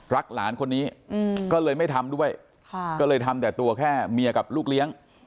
หลานคนนี้ก็เลยไม่ทำด้วยก็เลยทำแต่ตัวแค่เมียกับลูกเลี้ยง